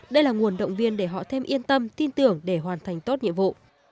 đây là nguồn động viên để họ thêm yên tâm tin tưởng để hoàn thành tốt nhiệm vụ